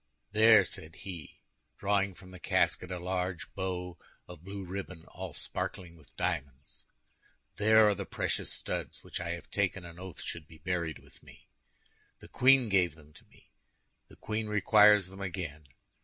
"There," said he, drawing from the casket a large bow of blue ribbon all sparkling with diamonds, "there are the precious studs which I have taken an oath should be buried with me. The queen gave them to me, the queen requires them again.